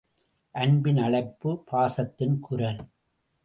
அன்பின் அழைப்பு – பாசத்தின் குரல்.